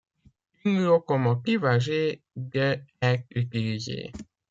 Une locomotive âgée de est utilisée.